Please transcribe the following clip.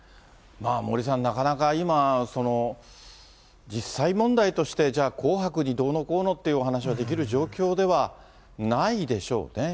森さん、なかなか今、実際問題として、じゃあ、紅白にどうのこうのっていうお話ができる状況ではないでしょうね。